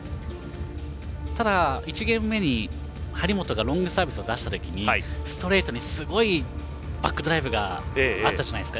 ただ、１ゲーム目に張本がロングサービスを出した時にストレートにすごいバックドライブがあったじゃないですか。